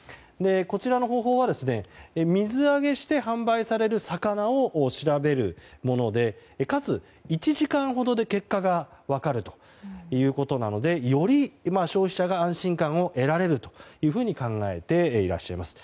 こちらの方法は、水揚げして販売される魚を調べるものでかつ１時間ほどで結果が分かるということなのでより消費者が安心感を得られると考えていらっしゃいます。